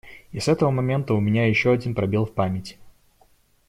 И с этого момента у меня еще один пробел в памяти.